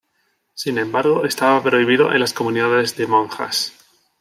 Sin embargo estaba prohibido en las comunidades de monjas.